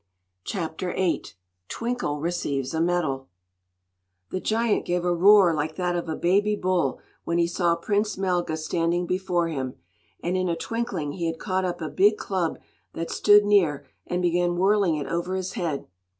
Chapter VIII Twinkle Receives a Medal THE giant gave a roar like that of a baby bull when he saw Prince Melga standing before him, and in a twinkling he had caught up a big club that stood near and began whirling it over his head.